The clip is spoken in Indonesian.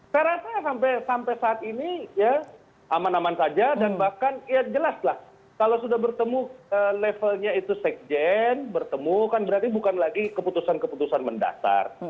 saya rasa sampai saat ini ya aman aman saja dan bahkan ya jelas lah kalau sudah bertemu levelnya itu sekjen bertemu kan berarti bukan lagi keputusan keputusan mendasar